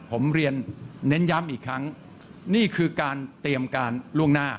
ผมเรียนเน้นย้ำอีกครั้งนี่คือการเตรียมการล่วงหน้า